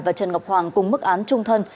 và trần ngọc hoàng cùng mức án trung thân